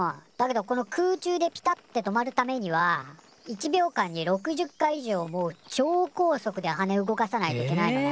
どこの空中でピタって止まるためには１秒間に６０回以上もうちょう高速で羽動かさないといけないのね。